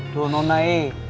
tuh nona eh